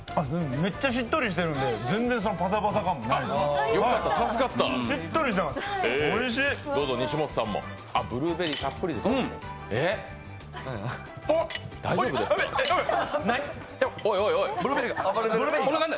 めっちゃしっとりしてるんで全然パサパサ感がね。